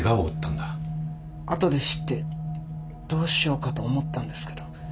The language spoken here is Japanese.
後で知ってどうしようかと思ったんですけど。